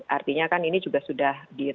artinya kan ini juga sudah di ranah kriminal gitu